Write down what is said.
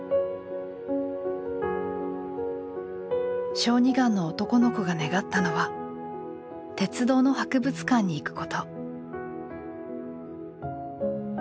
小児がんの男の子が願ったのは鉄道の博物館に行くこと。